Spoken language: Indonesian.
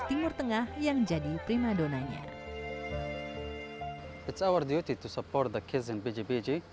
timur tengah yang jadi prima donanya it's our duty to support the kids in biji biji